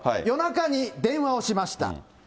夜中に電話をしました。